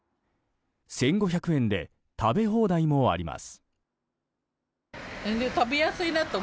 １５００円で食べ放題もあります。